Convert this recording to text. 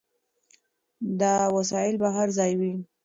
دا وسایل به هر ځای وي.